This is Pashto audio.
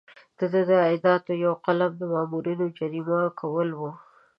د ده د عایداتو یو قلم د مامورینو جریمه کول وو.